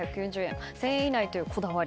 １０００円以内というこだわり。